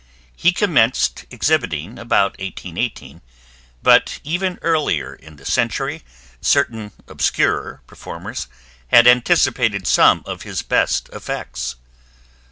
He commenced exhibiting about 1818, but even earlier in the century certain obscurer performers had anticipated some of his best effects.